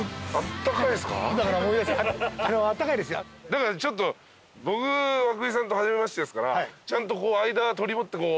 だからちょっと僕和久井さんと初めましてですからちゃんと。